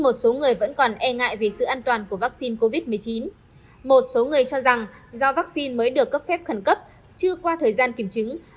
một số người cho rằng do vaccine mới được cấp phép khẩn cấp chưa qua thời gian kiểm chứng